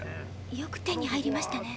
よく手に入りましたね。